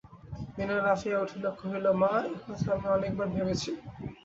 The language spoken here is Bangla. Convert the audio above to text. বিনয় লাফাইয়া উঠিল, কহিল, মা, এ কথা আমি অনেক বার ভেবেছি।